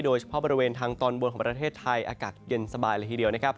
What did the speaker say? โดยเฉพาะบริเวณทางตอนบนของประเทศไทยอากาศเย็นสบายเลยทีเดียวนะครับ